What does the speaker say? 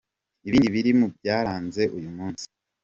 Ibindi biri mu byaranze uyu munsi.